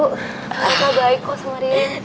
baik baik kok sama ririn